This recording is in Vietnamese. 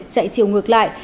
chạy chiều ngược lại